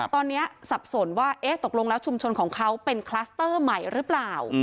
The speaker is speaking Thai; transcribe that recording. ตอนนี้สับสนว่าเอ๊ะตกลงแล้วชุมชนของเขาเป็นคลัสเตอร์ใหม่หรือเปล่า